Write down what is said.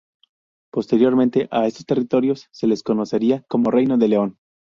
Posteriormente a estos territorios se les conocería como Reino de León.